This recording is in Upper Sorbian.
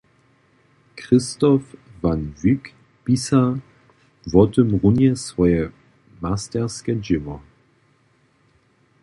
Christof van Wyk pisa wo tym runje swoje masterske dźěło.